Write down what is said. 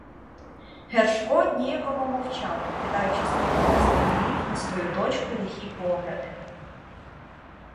Гершко ніяково мовчав, кидаючи з-під навислих брів на свою дочку лихі погляди.